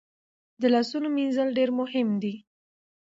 د لاسونو مینځل ډیر مهم دي۔